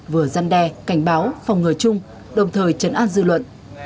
vừa giăn đe cảnh báo phòng ngừa chung đồng thời trấn an dư luận